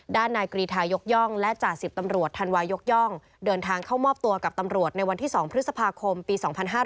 นายกรีทายกย่องและจ่าสิบตำรวจธันวายกย่องเดินทางเข้ามอบตัวกับตำรวจในวันที่๒พฤษภาคมปี๒๕๕๙